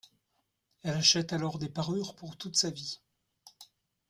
Elle achète alors des parures pour toute sa vie.